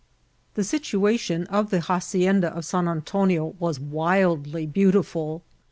The situation of the hacienda of San Antonio was wildly beautiful.